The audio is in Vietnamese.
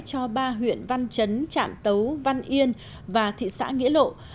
cho ba huyện văn chấn trạm tấu văn yên và thị xã nghĩa lộ